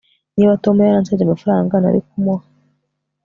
niba tom yaransabye amafaranga, nari kumuha